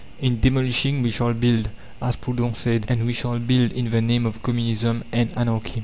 'In demolishing we shall build,' as Proudhon said; and we shall build in the name of Communism and Anarchy."